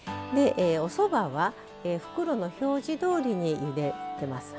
おそばは袋の表示どおりに、ゆでてます。